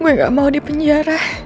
gue gak mau di penjara